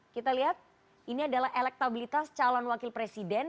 kita lihat ini adalah elektabilitas calon wakil presiden